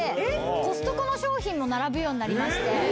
コストコの商品も並ぶようになりまして。